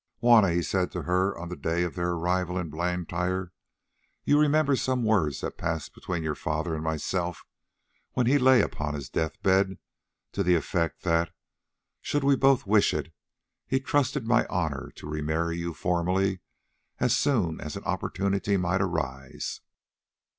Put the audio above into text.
"Juanna," he said to her on the day of their arrival at Blantyre, "you remember some words that passed between your father and myself when he lay upon his death bed, to the effect that, should we both wish it, he trusted to my honour to remarry you formally as soon as an opportunity might arise.